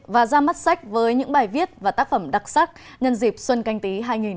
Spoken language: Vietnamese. và ra mắt sách với những bài viết và tác phẩm đặc sắc nhân dịp xuân canh tí hai nghìn hai mươi